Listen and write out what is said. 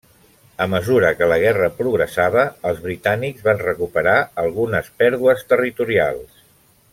A mesura que la guerra progressava, els britànics van recuperar algunes pèrdues territorials.